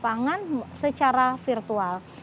pertemuan ketahanan pangan secara virtual